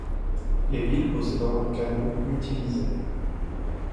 Les villes possédant un canon l'utilisaient.